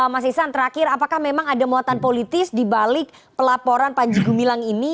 mas isan terakhir apakah memang ada muatan politis dibalik pelaporan panji gumilang ini